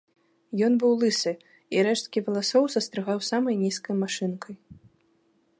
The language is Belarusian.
Ён быў лысы, і рэшткі валасоў састрыгаў самай нізкай машынкай.